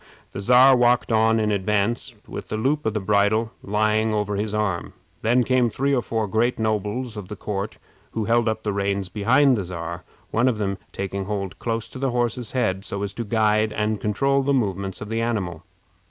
The Czar walked on in advance, with the loop of the bridle lying over his arm. Then came three or four great nobles of the court, who held up the reins behind the Czar, one of them taking hold close to the horse's head, so as to guide and control the movements of the animal.